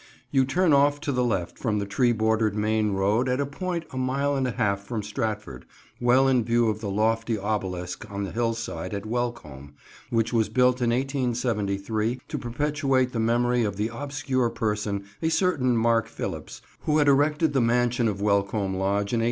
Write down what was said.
You turn off to the left from the tree bordered main road at a point a mile and a half from Stratford, well in view of the lofty obelisk on the hillside at Welcombe which was built in 1873 to perpetuate the memory of the obscure person, a certain Mark Phillips, who had erected the mansion of Welcombe Lodge in 1869.